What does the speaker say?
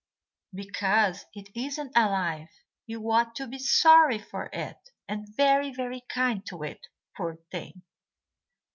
"Because it isn't alive. You ought to be sorry for it, and very, very kind to it, poor thing."